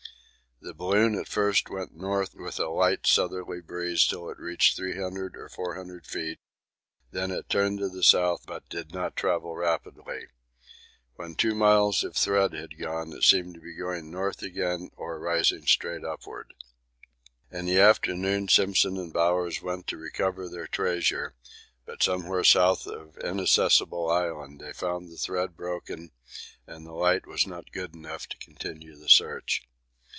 The balloon at first went north with a light southerly breeze till it reached 300 or 400 ft., then it turned to the south but did not travel rapidly; when 2 miles of thread had gone it seemed to be going north again or rising straight upward. In the afternoon Simpson and Bowers went to recover their treasure, but somewhere south of Inaccessible Island they found the thread broken and the light was not good enough to continue the search.